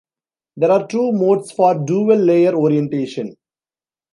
There are two modes for dual layer orientation.